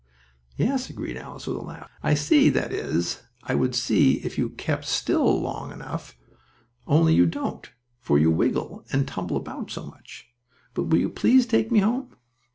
"Yes," agreed Alice with a laugh, "I see; that is, I would see if you kept still long enough, only you don't, for you wiggle and tumble about so much. But will you please take me home?"